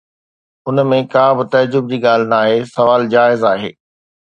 ان ۾ ڪا به تعجب جي ڳالهه ناهي، سوال جائز آهي.